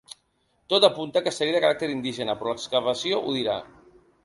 Tot apunta, que seria de caràcter indígena, però “l’excavació ho dirà”.